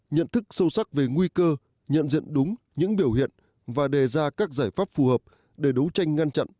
nhận thức sâu sắc về nguy cơ nhận diện đúng những biểu hiện và đề ra các giải pháp phù hợp để đấu tranh ngăn chặn